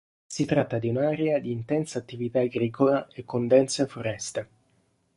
Si tratta di un'area di intensa attività agricola e con dense foreste.